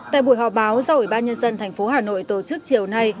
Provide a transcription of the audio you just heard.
tại buổi họp báo do ủy ban nhân dân thành phố hà nội tổ chức chiều nay